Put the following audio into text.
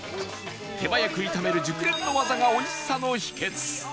手早く炒める熟練の技が美味しさの秘訣